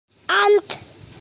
Ант!